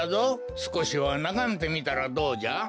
すこしはながめてみたらどうじゃ？